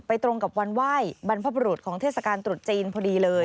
ตรงกับวันไหว้บรรพบรุษของเทศกาลตรุษจีนพอดีเลย